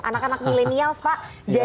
anak anak milenials pak